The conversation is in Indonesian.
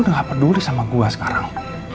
gak peduli sama gue sekarang